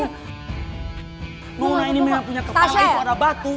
corona ini memang punya kepala itu ada batu